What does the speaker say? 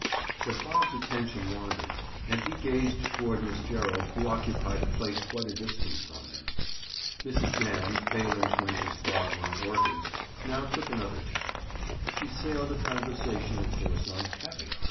But Bob's attention wandered, and he gazed toward Miss Gerald who occupied a place quite a distance from him. Mrs. Dan, failing to interest Bob on orchids, now took another tack. She sailed a conversational course on caviar.